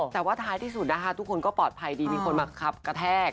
แต่ว่าท้ายที่สุดนะคะทุกคนก็ปลอดภัยดีมีคนมาขับกระแทก